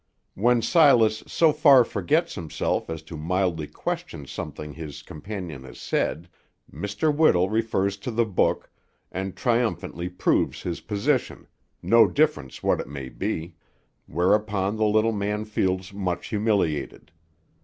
When Silas so far forgets himself as to mildly question something his companion has said, Mr. Whittle refers to the book, and triumphantly proves his position, no difference what it may be; whereupon the little man feels much humiliated.